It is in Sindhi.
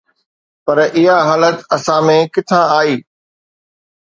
پر اها حالت اسان ۾ ڪٿان آئي؟